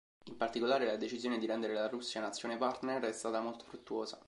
In particolare la decisione di rendere la Russia nazione partner è stata molto fruttuosa.